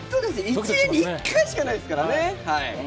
１年に一回しかないですからね！